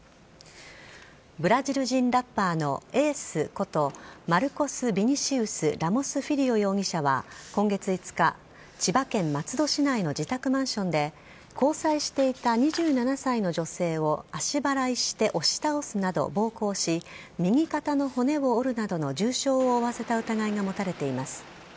ブラジル人ラッパーのＡＣＥことマルコス・ビニシウス・ラモス・フィリオ容疑者は今月５日千葉県松戸市内の自宅マンションで交際していた２７歳の女性を足払いして押し倒すなど暴行し右肩の骨を折るなどの重傷を負わせた疑いが持たれています。